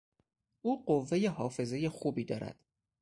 او قوهٔ حافظه خوبی دارد.